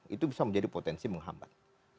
itu bisa menjadi potensi menghambat